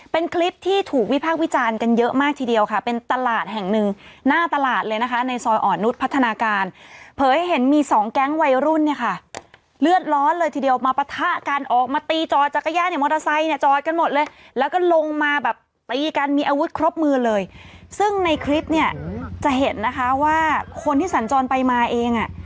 เป็นคลิปที่ถูกวิพากษ์วิจารณ์กันเยอะมากทีเดียวค่ะเป็นตลาดแห่งหนึ่งหน้าตลาดเลยนะคะในซอยอ่อนนุษย์พัฒนาการเผยเห็นมีสองแก๊งวัยรุ่นเนี่ยค่ะเลือดร้อนเลยทีเดียวมาปะทะกันออกมาตีจอดจักรยานเนี่ยมอเตอร์ไซค์เนี่ยจอดกันหมดเลยแล้วก็ลงมาแบบตีกันมีอาวุธครบมือเลยซึ่งในคลิปเนี่ยจะเห็นนะคะว่าคนที่สัญจรไปมาเองอ่ะ